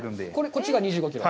こっちが２５キロ？